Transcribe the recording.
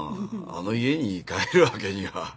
あの家に帰るわけには。